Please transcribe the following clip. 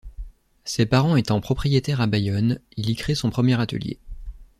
Ses parents étant propriétaires à Bayonne, il y crée son premier atelier.